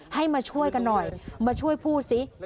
ให้มาช่วยกันหน่อยมาช่วยพูดซิ